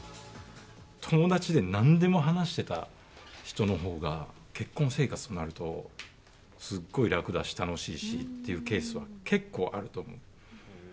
友達でなんでも話せてた人のほうが、結婚生活となると、すっごい楽だし楽しいしっていうケースが結構あると思う。